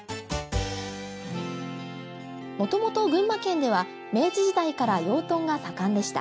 もともと群馬県では明治時代から養豚が盛んでした。